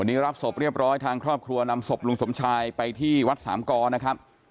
วันนี้รับศพเรียบร้อยทางครอบครัวนำศพลุงสมชายไปที่วัดสามกอนะครับ